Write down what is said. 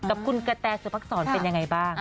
กับคุณกะแตสุภักษรเป็นยังไงบ้าง